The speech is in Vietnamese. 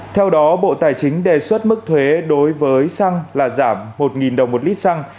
theo đó bộ tài chính đề xuất mức thuế đối với xăng là giảm một đồng một lít xăng